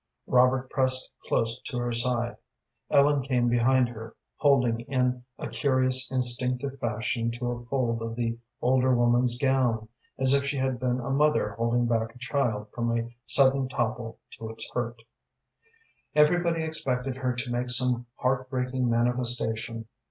Robert pressed close to her side. Ellen came behind her, holding in a curious, instinctive fashion to a fold of the older woman's gown, as if she had been a mother holding back a child from a sudden topple to its hurt. Everybody expected her to make some heart breaking manifestation.